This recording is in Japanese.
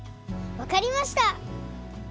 わかりました！